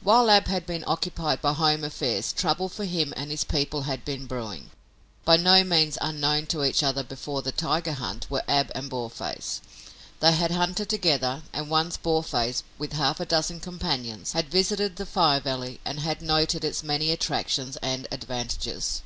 While Ab had been occupied by home affairs trouble for him and his people had been brewing. By no means unknown to each other before the tiger hunt were Ab and Boarface. They had hunted together and once Boarface, with half a dozen companions, had visited the Fire Valley and had noted its many attractions and advantages.